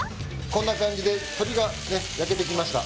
こんな感じで鶏がね焼けてきました。